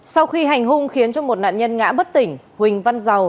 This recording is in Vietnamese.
sau khi hành hung khiến cho một nạn nhân ngã bất tỉnh huỳnh văn dầu